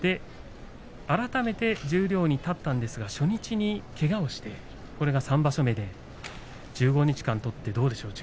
改めて新十両に立ったんですが初日にけがをしてしまって３場所目、１５日間取ってどうですか？